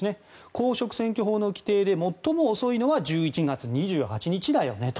公職選挙法の規定で最も遅いのは１１月２８日だよねと。